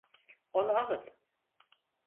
Onu alın.